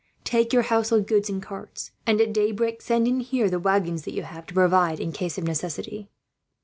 Take your household goods in carts and, at daybreak, send in here the waggons that you have to provide, in case of necessity."